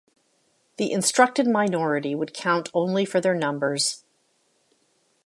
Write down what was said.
The instructed minority would count only for their numbers.